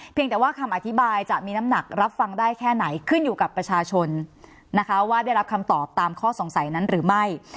แต่ว่าคำอธิบายจะมีน้ำหนักรับฟังได้แค่ไหนขึ้นอยู่กับประชาชนนะคะว่าได้รับคำตอบตามข้อสงสัยนั้นหรือไม่